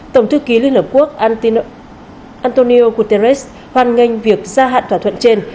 tổng thư ký liên hợp quốc ant antonio guterres hoan nghênh việc gia hạn thỏa thuận trên